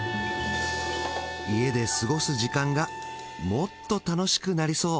家で過ごす時間がもっと楽しくなりそう